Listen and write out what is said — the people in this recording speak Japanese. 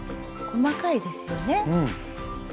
細かいですよね。